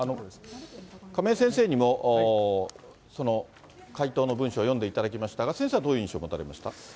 亀井先生にも回答の文書を読んでいただきましたが、先生はどういう印象持たれました？